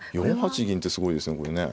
４八銀ってすごいですねこれね。